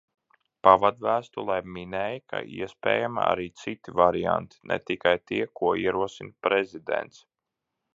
Pavadvēstulē minēja, ka iespējami arī citi varianti, ne tikai tie, ko ierosina Prezidents.